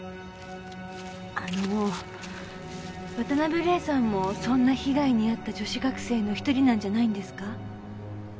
あの渡辺玲さんもそんな被害にあった女子学生の一人なんじゃないんですか？